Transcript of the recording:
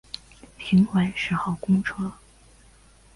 循环十号公车